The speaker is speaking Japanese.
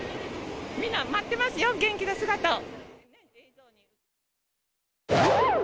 みんな待ってますよ、元気な姿を。